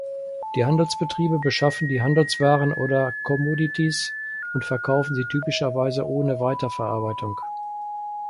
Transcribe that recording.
Die Handelsbetriebe beschaffen die Handelswaren oder Commodities und verkaufen sie typischerweise ohne Weiterverarbeitung.